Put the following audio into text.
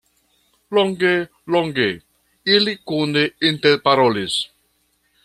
Longe, longe ili kune interparolis.